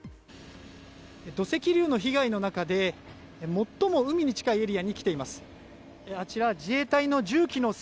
土石流の被害の中で最も海に近いエリアに来ています。